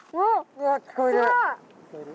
うわ聞こえる！